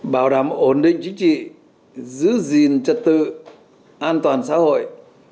bảo đảm ổn định chính trị giữ gìn trật tự an toàn xã hội